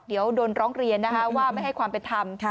เดี๋ยวโดนร้องเรียนนะคะว่าไม่ให้ความเป็นธรรม